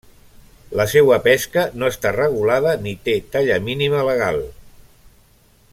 La seua pesca no està regulada ni té talla mínima legal.